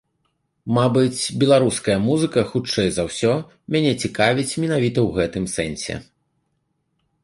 Мабыць, беларуская музыка, хутчэй за ўсё, мяне цікавіць менавіта ў гэтым сэнсе.